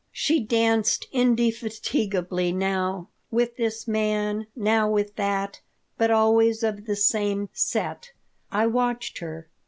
She danced indefatigably, now with this man, now with that, but always of the same "set." I watched her.